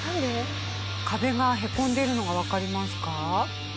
壁がへこんでいるのがわかりますか？